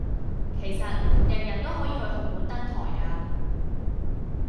其實，人人都可以去紅館登台噶!